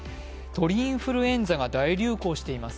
鳥インフルエンザが大流行しています。